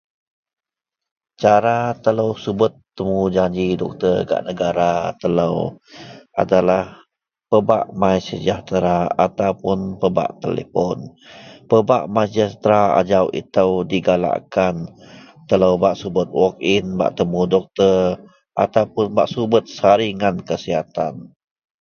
Cara telou subet temujanji doktor gak negara telou adalah pebak Mysejahtera ataupun pebak telepon. Pebak Mysejahtera ajau itou digalakkan telou bak subet work in bak temu doktor ataupun bak subet saringan kesihatan